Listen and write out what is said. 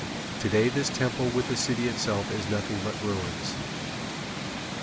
Today this temple with the city itself is nothing but ruins.